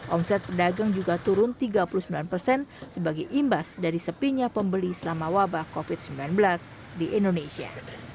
omset pedagang juga turun tiga puluh sembilan persen sebagai imbas dari sepinya pembeli selama wabah covid sembilan belas di indonesia